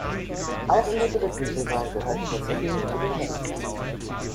Auch in der dritten Saison gehörte das Team zu den besten.